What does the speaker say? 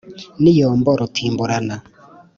n'iyombo rutimburana